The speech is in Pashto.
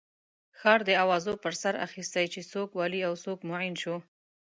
ښار د اوازو پر سر اخستی چې څوک والي او څوک معین شو.